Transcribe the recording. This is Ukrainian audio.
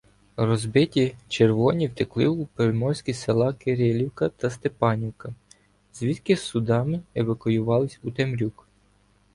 Розбиті «червоні» втекли у приморські села Кирилівка та Степанівка, звідки судами евакуювалися у Темрюк.